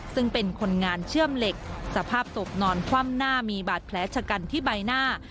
ซึ่งเป็นคนงานเชื่อมเหล็กสภาพศพนอนคว่ำหน้ามีบาดแผลชะกันที่ใบหน้า